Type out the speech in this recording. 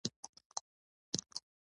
باغ ته غواوې ور پرېښودل شوې.